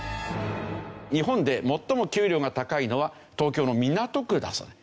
日本で最も給料が高いのは東京の港区だそうで。